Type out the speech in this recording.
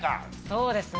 そうですね。